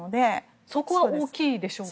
そこは大きいでしょうか。